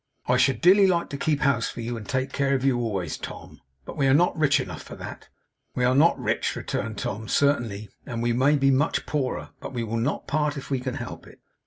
'I should dearly like to keep house for you and take care of you always, Tom; but we are not rich enough for that.' 'We are not rich,' returned Tom, 'certainly; and we may be much poorer. But we will not part if we can help it.